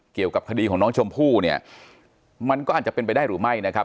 เกี่ยวกับคดีของน้องชมพู่เนี่ยมันก็อาจจะเป็นไปได้หรือไม่นะครับ